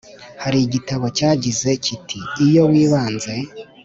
Hari igitabo cyagize kiti iyo wibanze